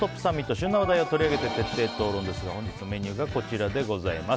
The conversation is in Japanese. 旬な話題を取り上げて徹底討論ですが本日のメニューはこちらです。